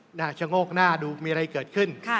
หน้าชะโงกหน้าดูมีอะไรเกิดขึ้น